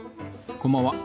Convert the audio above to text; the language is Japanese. こんばんは。